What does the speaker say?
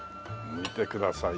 見てくださいよ。